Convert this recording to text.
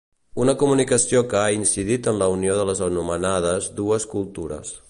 Una comunicació que ha incidit en la unió de les anomenades 'dues cultures'.